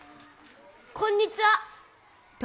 こんにちは。